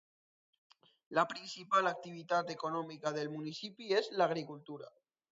La principal activitat econòmica del municipi és l'agricultura.